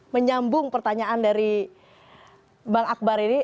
menyambung pertanyaan dari bang akbar ini